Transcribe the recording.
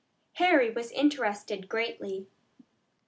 Harry was interested greatly.